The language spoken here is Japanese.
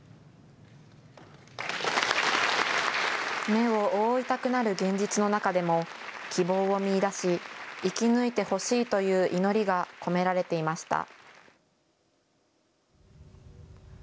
目を覆いたくなる現実の中でも希望を見いだし生き抜いてほしいという祈りが込められていました。